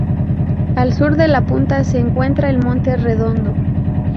Al sur de la punta se encuentra el monte Redondo.